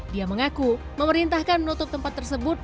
dia mengaku memerintahkan menutup tempat tersebut